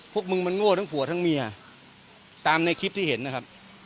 พวกมึงมันโง่ทั้งผัวทั้งเมียตามในคลิปที่เห็นนะครับ